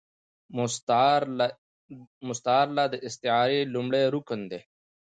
مستعارله د استعارې لومړی رکن دﺉ.